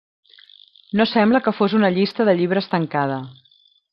No sembla que fos una llista de llibres tancada.